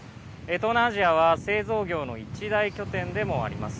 東南アジアは製造業の一大拠点でもあります。